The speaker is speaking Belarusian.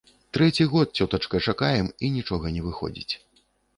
Трэці год, цётачка, чакаем, і нічога не выходзіць.